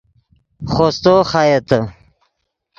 خوستو خایتے